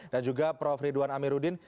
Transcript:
dan juga prof ridwan amiruddin